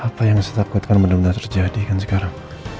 apa yang saya takutkan benar benar terjadi kan sekarang